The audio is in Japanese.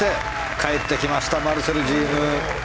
帰ってきましたマルセル・ジーム。